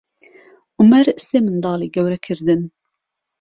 عومەر سێ منداڵی گەورە کردن.